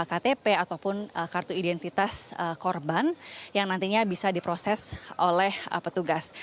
ktp ataupun kartu identitas korban yang nantinya bisa diproses oleh petugas